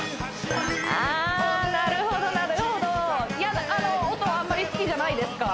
あなるほどなるほどあの音はあまり好きじゃないですか？